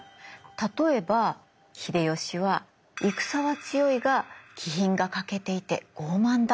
例えば「秀吉は戦は強いが気品が欠けていて傲慢だ」とかね。